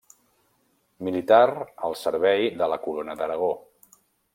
Militar al servei de la Corona d'Aragó.